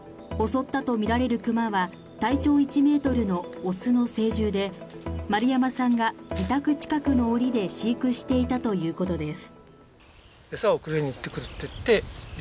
襲ったとみられる熊は体長１ｍの雄の成獣で丸山さんが自宅近くのおりで飼育していたということです。